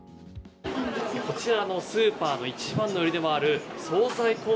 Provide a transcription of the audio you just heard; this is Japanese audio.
こちらのスーパーの一番乗りでもある惣菜